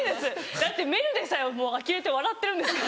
だってめるるでさえあきれて笑ってるんですから。